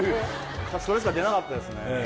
「かしくう」がそれしか出なかったですね